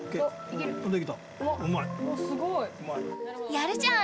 やるじゃん！